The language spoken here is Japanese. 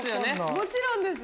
もちろんです。